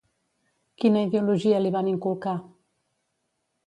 Quina ideologia li van inculcar?